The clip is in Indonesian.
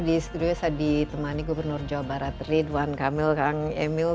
di studio saya ditemani gubernur jawa barat ridwan kamil kang emil